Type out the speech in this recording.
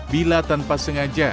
bila tanpa sengaja